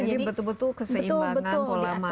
jadi betul betul keseimbangan pola makan